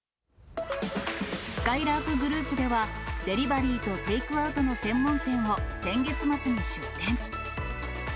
すかいらーくグループでは、デリバリーとテイクアウトの専門店を、先月末に出店。